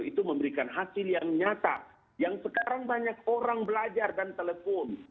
itu memberikan hasil yang nyata yang sekarang banyak orang belajar dan telepon